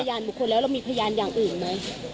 นอกจากพยานบุคคลแล้วเรามีพยานอย่างอื่นไหม